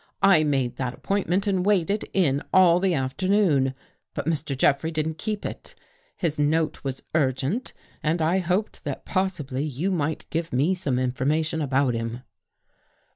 I made that ap pointment and waited in all the afternoon. But Mr. Jeffrey didn't keep it. His note was urgent and I hoped that possibly you might give me some information about him."